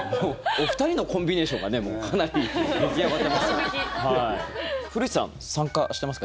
お二人のコンビネーションがもうかなり出来上がってます。